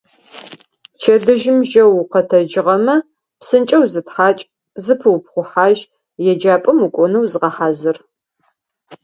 Пчэдыжьым жьэу укъэтэджыгъэмэ, псынкӏэу зытхьакӏ, зыпыупхъухьажь, еджапӏэм укӏонэу зыгъэхьазыр.